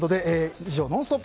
以上ノンストップ！